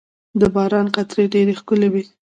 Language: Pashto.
• د باران قطرې ډېرې ښکلي وي.